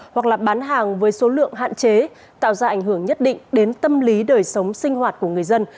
hoặc là bán hàng với số lượng hạn chế tạo ra ảnh hưởng nhất định đến tâm lý đời sống sinh hoạt của người dân